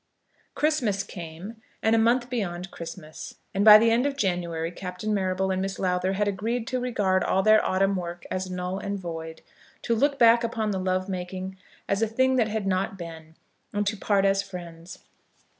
Christmas came, and a month beyond Christmas, and by the end of January Captain Marrable and Miss Lowther had agreed to regard all their autumn work as null and void, to look back upon the love making as a thing that had not been, and to part as friends.